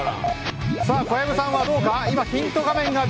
小籔さんはどうか？